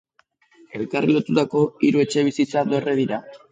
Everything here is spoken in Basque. Elkarri lotutako hiru etxebizitza dorre dira.